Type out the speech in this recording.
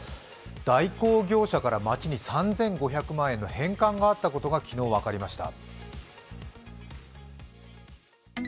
代行業者から町に３５００万円の返還があったことが昨日分かりました。